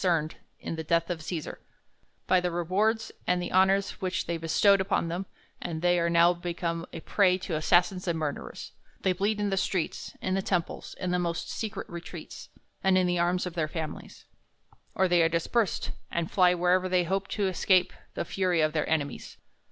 cerned in the death of Cesar, t)y the rewards and the honors which they bestowed upon them ; and they are now become a prey to assassins and murderers; they bleed in the streets, in the temples, in the most secret retreats, and in the arms of their families ; or they are dispersed, and fly wherever they hope to escape the fury of their enemies.